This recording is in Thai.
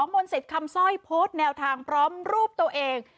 มนต์สิทธิ์คำสร้อยโพสต์แนวทางพร้อมรูปตัวเอง